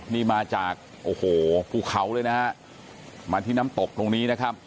นี่มาจากโอ้โหภูเขาเลยนะฮะมาที่น้ำตกตรงนี้นะครับ